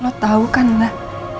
lo tau kan mbak